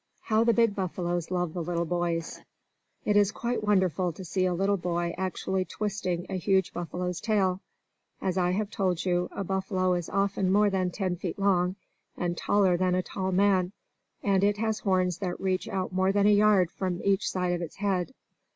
How the Big Buffaloes Love the Little Boys It is quite wonderful to see a little boy actually twisting a huge buffalo's tail. As I have told you, a buffalo is often more than ten feet long, and taller than a tall man; and it has horns that reach out more than a yard from each side of the head.